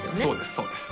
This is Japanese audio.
そうです